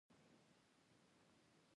آیا د ماشومانو د نظر کیدو مخنیوی نه کیږي؟